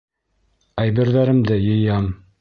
Әйберҙәремде йыям.